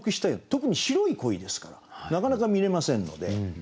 特に白い鯉ですからなかなか見れませんので。